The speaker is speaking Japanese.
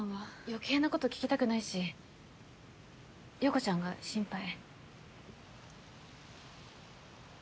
余計なこと聞きたくないし葉子ちゃんが心配。